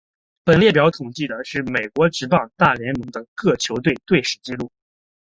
本列表统计的是美国职棒大联盟的各球队的队史纪录。